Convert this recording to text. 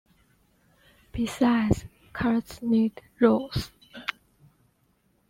Besides, carts need roads.